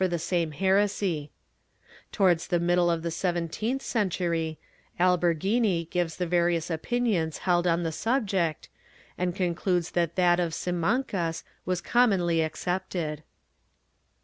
I] NON PERFOBMANCE 103 same heresy/ Towards the middle of the seventeenth century, Alberghini gives the various opinions held on the subject, and concludes that that of Simancas was commonly accepted.